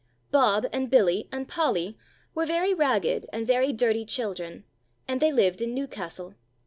Bob and Billy and Polly were very ragged and very dirty children, and they lived in Newcastle.